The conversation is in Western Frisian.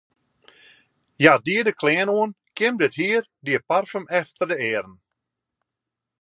Hja die de klean oan, kjimde it hier, die parfum efter de earen.